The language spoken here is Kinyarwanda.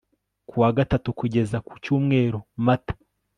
kuwa gatatu kugeza kuwa kucyumweru mata